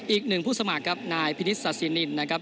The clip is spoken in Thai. อีกหนึ่งผู้สมัครครับนายพินิศาสินินนะครับ